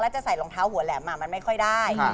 จะใส่รองเท้าหัวแหลมมันไม่ค่อยได้